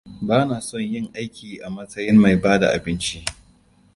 Bana son yin aiki a matsayin mai bada abinci.